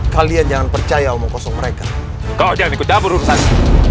kalian jangan percaya omong kosong mereka kau jangan ikut dapur urusan